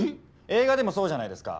映画でもそうじゃないですか。